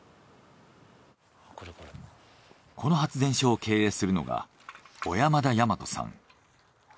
この発電所を経営するのが小山田大和さん。